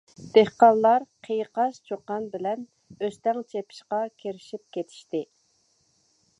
دېھقانلار قىيقاس چۇقان بىلەن ئۆستەڭ چېپىشقا كىرىشىپ كېتىشتى.